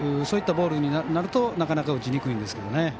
そういったボールになるとなかなか打ちにくいんですけどね。